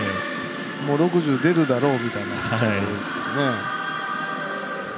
もう１６０出るだろうみたいなピッチャーが多いですからね。